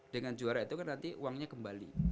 dengan juara itu kan nanti uangnya kembali